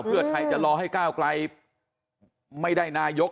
เพื่อไทยจะรอให้ก้าวไกลไม่ได้นายก